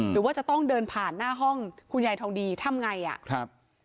หรือว่าจะต้องเดินผ่านหน้าห้องคุณยายทองดีทำไงอ่ะครับ